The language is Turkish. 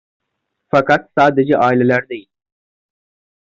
Fakat sadece aileler değil.